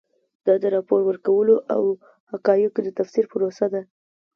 دا د راپور ورکولو او حقایقو د تفسیر پروسه ده.